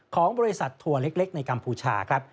ของบริษัททัวร์เล็กในกัมพูชาครับ